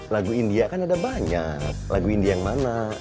lagu india kan ada banyak lagu india yang mana